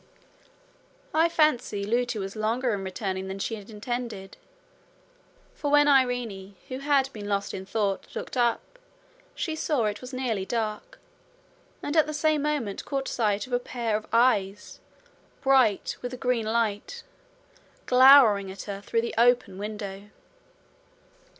I fancy Lootie was longer in returning than she had intended; for when Irene, who had been lost in thought, looked up, she saw it was nearly dark, and at the same moment caught sight of a pair of eyes, bright with a green light, glowering at her through the open window.